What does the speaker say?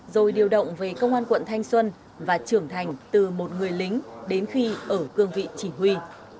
rồi điều động về công an quận thanh xuân và trưởng thành từ một người lính đến khi ở cương vị chỉ huy